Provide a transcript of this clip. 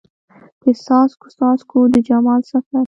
د څاڅکو، څاڅکو د جمال سفر